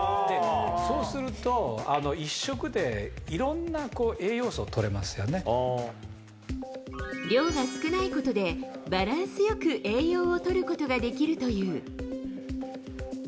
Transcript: そうすると、１食でいろんな栄養量が少ないことで、バランスよく栄養をとることができるという。